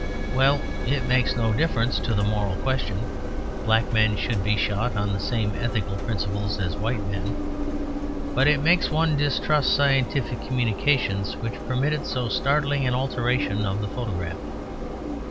Well, it makes no difference to the moral question; black men should be shot on the same ethical principles as white men. But it makes one distrust scientific communications which permitted so startling an alteration of the photograph.